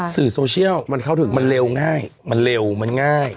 สื่อโซเชียลมันเข้าถึงมันเร็วง่ายมันเร็วมันง่าย